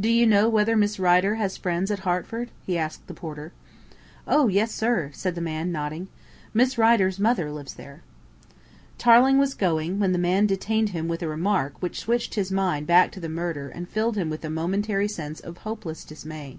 "Do you know whether Miss Rider has friends at Hertford?" he asked the porter. "Oh, yes, sir," said the man nodding. "Miss Rider's mother lives there." Tarling was going, when the man detained him with a remark which switched his mind back to the murder and filled him with a momentary sense of hopeless dismay.